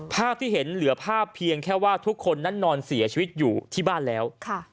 ภาพที่เห็นเหลือภาพเพียงแค่ว่าทุกคนนั้นนอนเสียชีวิตอยู่ที่บ้านแล้ว